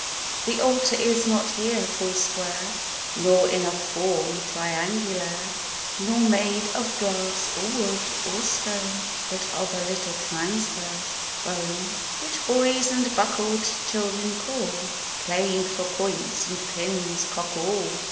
The altar is not here four square, Nor in a form triangular; Nor made of glass, or wood, or stone, But of a little transverse bone; Which boys and bruckel'd children call (Playing for points and pins) cockall.